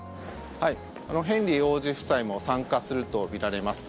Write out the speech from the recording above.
ヘンリー王子夫妻も参加するとみられます。